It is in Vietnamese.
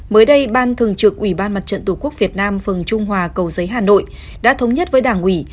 mới đây ban thường trực ủy ban mặt trận tổ quốc việt nam phường trung hòa cầu giấy hà nội đã thống nhất với đảng ủy